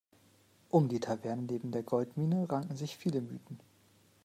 Um die Taverne neben der Goldmine ranken sich viele Mythen.